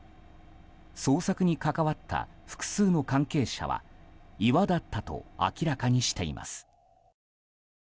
捜索に関わった複数の関係者は岩だったと明らかにしています。